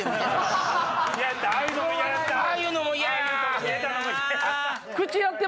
ああいうのも嫌やった。